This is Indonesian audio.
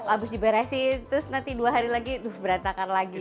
abis diberesin terus nanti dua hari lagi berantakan lagi